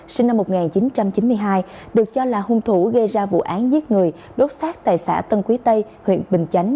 sinh năm một nghìn chín trăm chín mươi hai được cho là hung thủ gây ra vụ án giết người đốt xác tại xã tân quý tây huyện bình chánh